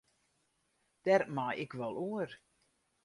Dêr mei ik wol oer.